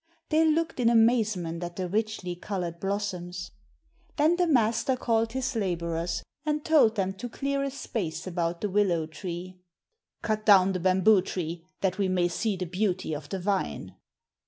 They looked in amazement at the richly coloured blossoms. Then the master called his labourers, and told them to clear a space about the willow tree. "Cut down the bamboo tree that we may see the beauty of the vine."